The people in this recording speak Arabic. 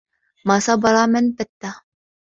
مَا صَبَرَ مَنْ بَثَّ